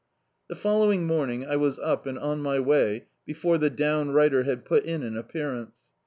The following morning I was up and oa my way before the downrighter had put in an appearance.